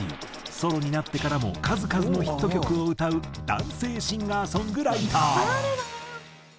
ソロになってからも数々のヒット曲を歌う男性シンガーソングライター。